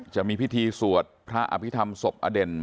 จะมีพิธีสวดพระอภิษฐรรมศพอเด่น